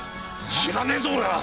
知らねえぞ俺は！